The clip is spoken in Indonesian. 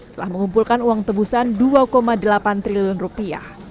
telah mengumpulkan uang tebusan dua delapan triliun rupiah